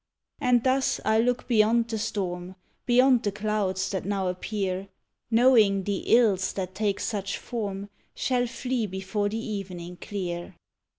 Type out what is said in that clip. And thus I look beyond the storm, Beyond the clouds that now appear; Knowing the ills that take such form Shall flee before the evening clear!